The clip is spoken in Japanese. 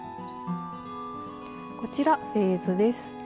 こちら製図です。